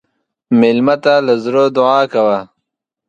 مېلمه ته له زړه دعا کوه.